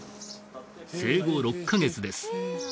生後６カ月です